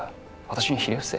「私にひれ伏せ」。